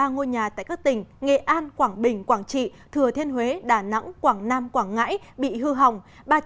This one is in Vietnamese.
tám trăm một mươi ba ngôi nhà tại các tỉnh nghệ an quảng bình quảng trị thừa thiên huế đà nẵng quảng nam quảng ngãi bị hư hỏng